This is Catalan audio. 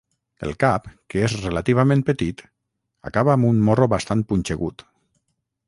El cap, que és relativament petit, acaba amb un morro bastant punxegut.